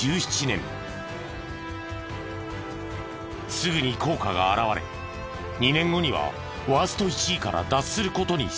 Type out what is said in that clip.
すぐに効果が表れ２年後にはワースト１位から脱する事に成功。